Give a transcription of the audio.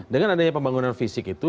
dengan adanya pembangunan fisik itu